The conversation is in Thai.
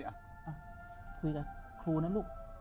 อ่ะคุยกับครูนะลูก